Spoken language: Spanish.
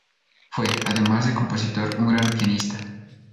Fue, además de compositor, un gran pianista.